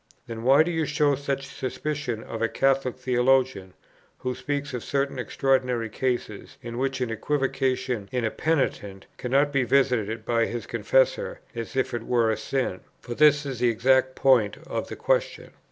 Then why do you show such suspicion of a Catholic theologian, who speaks of certain extraordinary cases in which an equivocation in a penitent cannot be visited by his confessor as if it were a sin? for this is the exact point of the question.